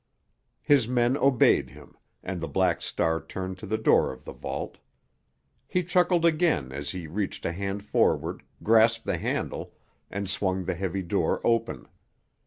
His men obeyed him, and the Black Star turned to the door of the vault. He chuckled again as he reached a hand forward, grasped the handle, and swung the heavy door open.